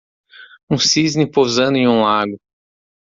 Um cisne pousando em um lago.